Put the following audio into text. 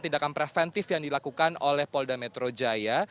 tindakan preventif yang dilakukan oleh polda metro jaya